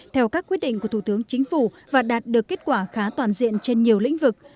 theo các quyết định của thủ tướng chính phủ và đạt được kết quả khá toàn diện trên nhiều lĩnh vực